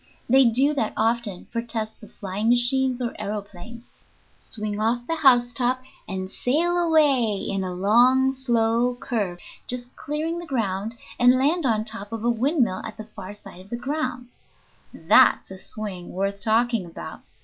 They do that often for tests of flying machines or aëroplanes swing off the housetop, and sail away in a long, slow curve, just clearing the ground, and land on top of a windmill at the far side of the grounds. That's a swing worth talking about!